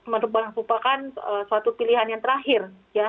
penerbangan merupakan suatu pilihan yang terakhir